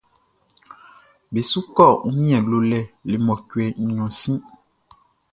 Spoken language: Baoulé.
Be su kɔ wunmiɛn lolɛ le mɔcuɛ nɲɔn sin.